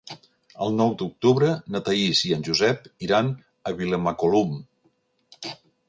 El nou d'octubre na Thaís i en Josep iran a Vilamacolum.